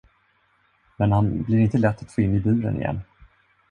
Men han blir inte lätt att få in i buren igen.